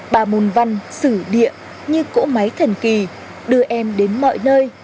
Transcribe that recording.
bà môn văn xử địa như cỗ máy thần kỳ đưa em đến mọi nơi